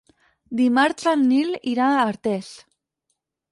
Dimarts en Nil irà a Artés.